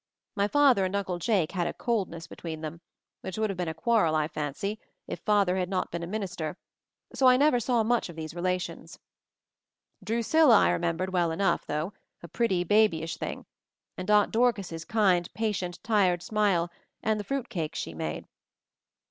My father and Uncle Jake had "a coldness" between them; which would have been a quarrel, I fancy, if father had not been a minister, §p I never saw much of these re lations. Drusilla I remembered well enough, though, a pretty, babyish thing, and Aunt Dorcas's kind, patient, tired smile, and the fruit cakes she made.